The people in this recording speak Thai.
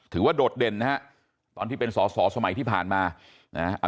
โดดเด่นนะฮะตอนที่เป็นสอสอสมัยที่ผ่านมานะฮะ